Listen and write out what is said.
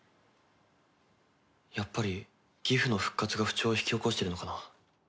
やっぱりギフの復活が不調を引き起こしてるのかな？